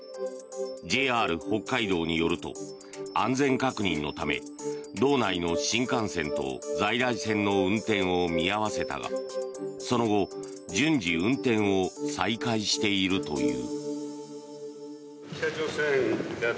ＪＲ北海道によると安全確認のため道内の新幹線と在来線の運転を見合わせたがその後、順次運転を再開しているという。